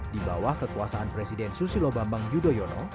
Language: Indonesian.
di bawah kekuasaan presiden susilo bambang yudhoyono